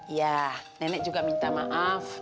ya nenek juga minta maaf